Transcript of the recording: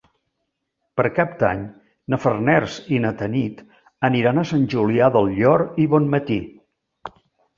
Per Cap d'Any na Farners i na Tanit aniran a Sant Julià del Llor i Bonmatí.